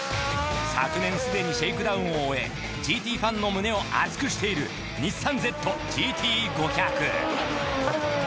昨年すでにシェイクダウンを終えＧＴファンの胸を熱くしているニッサンＺＧＴ５００